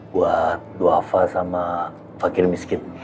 buat dhoafa sama fakir miskin